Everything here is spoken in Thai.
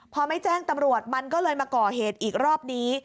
พอไม่แจ้งตำรวจมันก็เลยมาก่อเหตุอีกรอบนี้